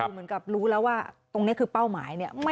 คือเหมือนกับรู้แล้วว่าตรงนี้คือเป้าหมายเนี่ย